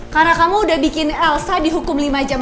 karena kamu udah bikin elsa dihukum lima jam